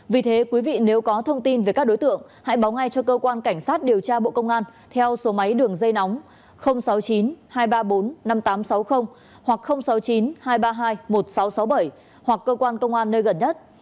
vì thế quý vị nếu có thông tin về các đối tượng hãy báo ngay cho cơ quan cảnh sát điều tra bộ công an theo số máy đường dây nóng sáu mươi chín hai trăm ba mươi bốn năm nghìn tám trăm sáu mươi hoặc sáu mươi chín hai trăm ba mươi hai một nghìn sáu trăm sáu mươi bảy hoặc cơ quan công an nơi gần nhất